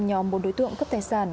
nhóm một đối tượng cấp tài sản